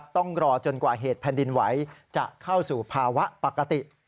ต้องรอจนกว่าเหตุแผ่นดินไหวจะเข้าสู่ภาวะปกติ